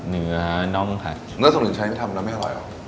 เนื้อสมรุนใช้ไม่ทำแล้วไม่อร่อยหรอ